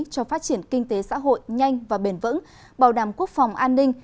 cho phát triển kinh tế xã hội nhanh và bền vững bảo đảm quốc phòng an ninh